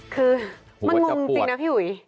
คือมันงงจริงนะพี่อุ๋ย